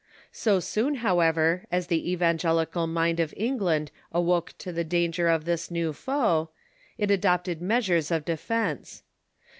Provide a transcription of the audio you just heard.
So soon, how ever, as the evangelical mind of England awoke to the danger from this new foe, it adopted measures of defence.